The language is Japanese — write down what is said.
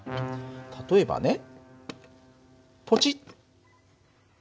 例えばねポチッと。